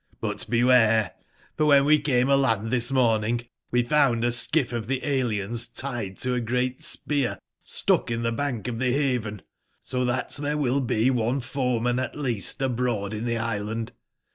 But beware! for when we came aland this morningwe found a skiff of the aliens tied to a great spear stuck in the bank of the baven ; so tbat tbere will be one f oeinan at least abroad in the island.